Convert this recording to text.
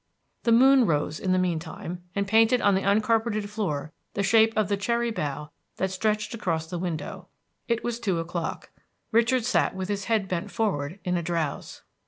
The moon rose in the mean time, and painted on the uncarpeted floor the shape of the cherry bough that stretched across the window. It was two o'clock; Richard sat with his head bent forward, in a drowse.